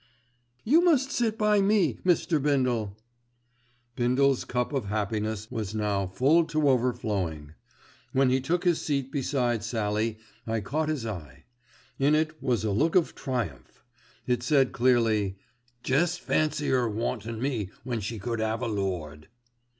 "You must sit by me, Mr. Bindle." Bindle's cup of happiness was now full to overflowing. When he took his seat beside Sallie I caught his eye. In it was a look of triumph. It said clearly, "Jest fancy 'er wantin' me when she could have a lord."